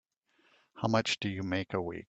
How much do you make a week?